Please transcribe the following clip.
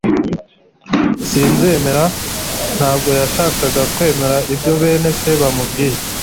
sinzemera.» Ntabwo yashakaga kwemera ibyo bene Se bamubwiye